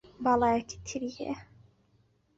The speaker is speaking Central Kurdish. باڵایەکی تری هەیە